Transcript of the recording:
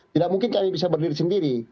tidak mungkin kami bisa berdiri sendiri